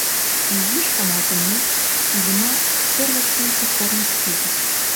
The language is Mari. Изиш каналтымек, Иллимар сер воктенсе корныш кӱзыш.